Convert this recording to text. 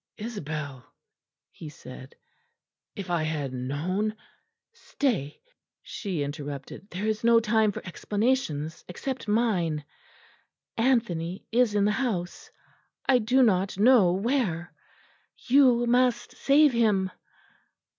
"Isabel," he said, "if I had known " "Stay," she interrupted, "there is no time for explanations except mine. Anthony is in the house; I do not know where. You must save him."